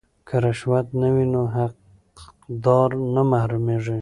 که رشوت نه وي نو حقدار نه محرومیږي.